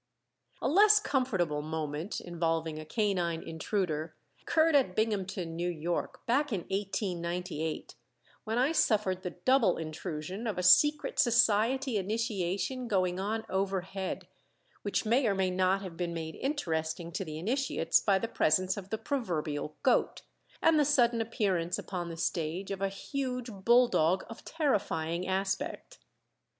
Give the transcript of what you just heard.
A less comfortable moment involving a canine intruder occurred at Binghamton, New York, back in 1898, when I suffered the double intrusion of a secret society initiation going on overhead, which may or may not have been made interesting to the initiates by the presence of the proverbial goat, and the sudden appearance upon the stage of a huge bulldog of terrifying aspect.